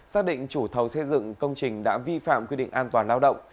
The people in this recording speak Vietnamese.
xác định chủ thầu xây dựng công trình đã vi phạm quy định an toàn lao động